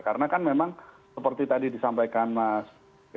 karena kan memang seperti tadi disampaikan mas